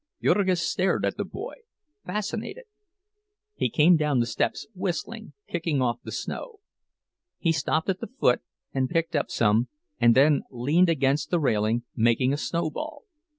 Jurgis stared at the boy, fascinated. He came down the steps whistling, kicking off the snow. He stopped at the foot, and picked up some, and then leaned against the railing, making a snowball.